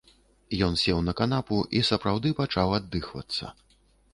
Ён сеў на канапу і сапраўды пачаў аддыхвацца.